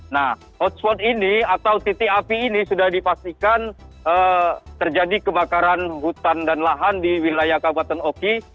nah hotspot ini atau titik api ini sudah dipastikan terjadi kebakaran hutan dan lahan di wilayah kabupaten oki